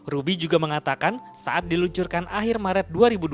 ruby juga mengatakan saat diluncurkan akhir maret dua ribu dua puluh